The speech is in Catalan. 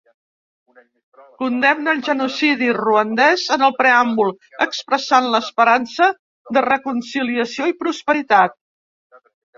Condemna el genocidi ruandès en el preàmbul, expressant l'esperança de reconciliació i prosperitat.